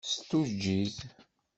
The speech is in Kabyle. S tujjit.